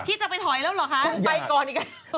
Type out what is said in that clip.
พี่จะไปถอยแล้วเหรอคะไปก่อนอีกแล้ว